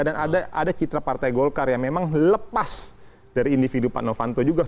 ada citra partai golkar yang memang lepas dari individu pak novanto juga